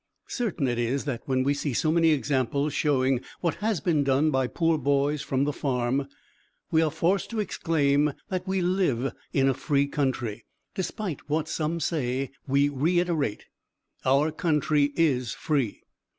Certain it is that when we see so many examples showing what has been done by poor boys from the farm, we are forced to exclaim that we live in a free country; despite what some say we reiterate, our country is free.